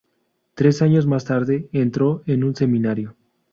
Tres años más tarde, entró en un seminario.